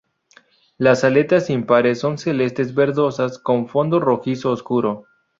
Las aletas impares son celeste-verdosas con fondo rojizo oscuro.